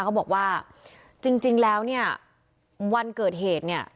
เขาบอกว่าจริงแล้วเนี่ยวันเกิดเหตุเนี่ย